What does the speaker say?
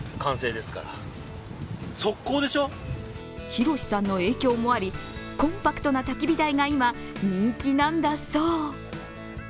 ヒロシさんの影響もありコンパクトなたき火台が今、人気なんだそう。